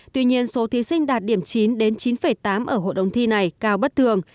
tuy nhiên số thí sinh đạt điểm chín đến chín tám ở hội đồng thi này cao bất thường